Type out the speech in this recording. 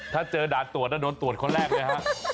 ถ้าเจอด่านตรวจโดนตรวจคนแรกเลยฮะ